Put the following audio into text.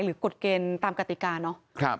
หรือกฎเกณฑ์ตามกติกาเนาะ